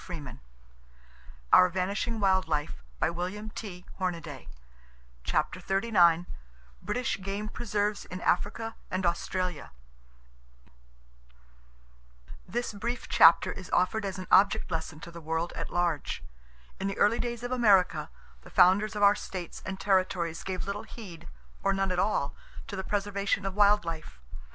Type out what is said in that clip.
EGRETS AND HERONS IN SANCTUARY ON MARSH ISLAND [Page 364] CHAPTER XXXIX BRITISH GAME PRESERVES IN AFRICA AND AUSTRALIA This brief chapter is offered as an object lesson to the world at large. In the early days of America, the founders of our states and territories gave little heed, or none at all, to the preservation of wild life.